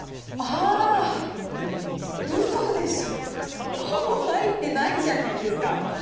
あー、うそでしょ、ほぼ入ってないじゃないですか。